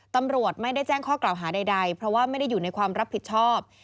ตำรวจไม่ได้แจ้งข้อกล่าวหาใดเพราะว่าไม่ได้อยู่ในความรับผิดชอบ